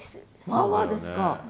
まあまあですか。